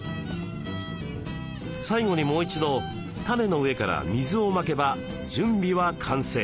最後にもう一度種の上から水をまけば準備は完成。